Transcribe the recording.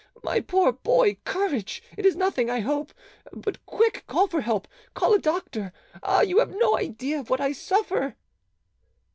My poor boy, courage; it is nothing, I hope. But quick, call for help, call a doctor. Ah, you have no idea of what I suffer."